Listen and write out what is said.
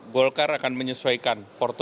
golkar akan menyesuaikan portfolio